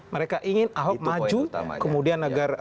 mereka ingin ahok maju kemudian agar